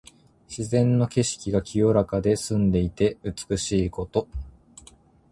自然の景色が清らかで澄んでいて美しいこと。